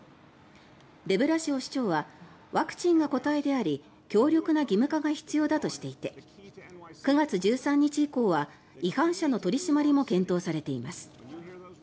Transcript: デブラシオ市長はワクチンが答えであり強力な義務化が必要だとしていて９月１３日以降は違反者の取り締まりも検討されています。